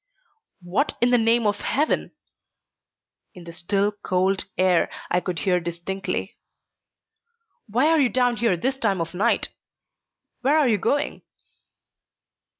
"What in the name of Heaven " In the still, cold air I could hear distinctly. "Why are you down here this time of night? Where are you going?"